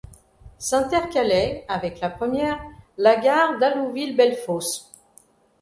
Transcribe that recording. S'intercalait, avec la première, la gare d'Allouville-Bellefosse.